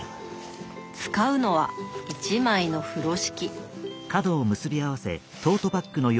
使うのは一枚の風呂敷。